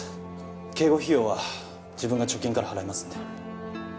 警護費用は自分が貯金から払いますんで。